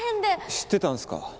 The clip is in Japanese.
知ってたんすか？